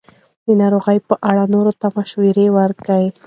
د ناروغیو په اړه نورو ته مشوره ورکوي.